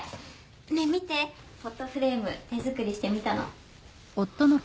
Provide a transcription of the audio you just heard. ねえ見てフォトフレーム手作りしてみたの